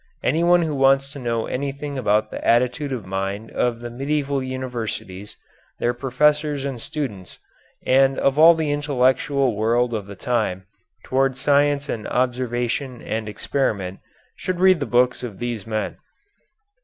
Anyone who wants to know anything about the attitude of mind of the medieval universities, their professors and students, and of all the intellectual world of the time towards science and observation and experiment, should read the books of these men.